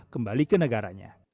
kembali ke negaranya